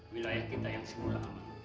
wilayah kita yang sempurna